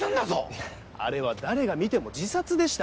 あれは誰が見ても自殺でした。